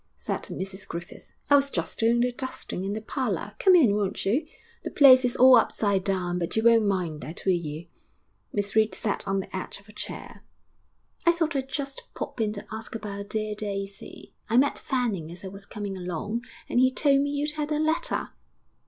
said Mrs Griffith. 'I was just doing the dusting in the parlour. Come in, won't you? The place is all upside down, but you won't mind that, will you?' Miss Reed sat on the edge of a chair. 'I thought I'd just pop in to ask about dear Daisy. I met Fanning as I was coming along and he told me you'd had a letter.'